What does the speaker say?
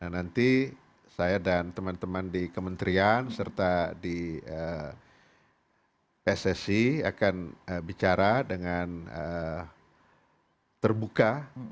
nanti saya dan teman teman di kementerian serta di pssi akan bicara dengan terbuka